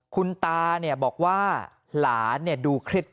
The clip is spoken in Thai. คุณตาบอกว่าหลานดูเคร็ดของเขา